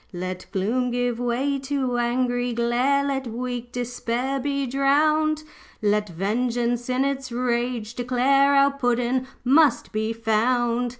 'Let gloom give way to angry glare, Let weak despair be drowned, Let vengeance in its rage declare Our Puddin' must be found.